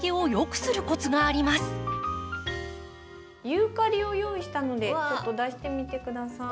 ユーカリを用意したのでちょっと出してみて下さい。